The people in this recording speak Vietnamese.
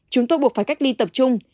chúng tôi buộc phải cách ly tập trung